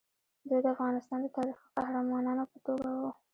دوی د افغانستان د تاریخي قهرمانانو په توګه وو.